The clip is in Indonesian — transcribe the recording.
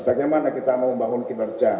bagaimana kita mau membangun kinerja